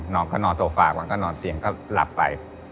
น้องก็นอนโซฟามันก็นอนเตียงก็หลับไป